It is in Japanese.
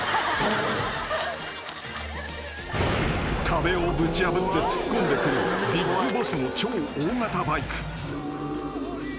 ［壁をぶち破って突っ込んでくるＢＩＧＢＯＳＳの超大型バイク］